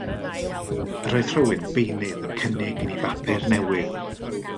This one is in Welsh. Yr oedd rhywun beunydd yn cynnig i ni bapur newydd.